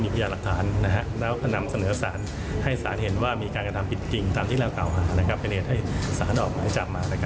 เป็นเองให้สารออกหมายจับมา